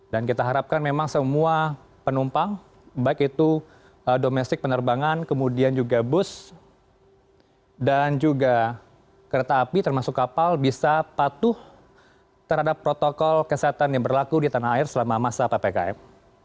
dan kita harapkan memang semua penumpang baik itu domestik penerbangan kemudian juga bus dan juga kereta api termasuk kapal bisa patuh terhadap protokol kesehatan yang berlaku di tanah air selama masa ppkm